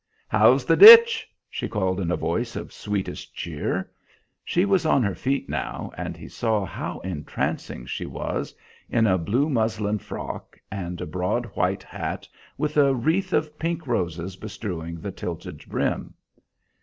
"How's the ditch?" she called in a voice of sweetest cheer. She was on her feet now, and he saw how entrancing she was, in a blue muslin frock and a broad white hat with a wreath of pink roses bestrewing the tilted brim.